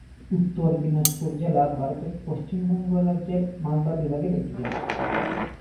উত্তর দিনাজপুর জেলা ভারতের পশ্চিমবঙ্গ রাজ্যের মালদা বিভাগের একটি জেলা।